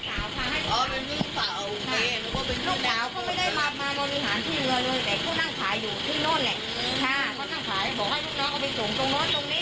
แต่เขานั่งขายอยู่ที่โน่นนั่นเอง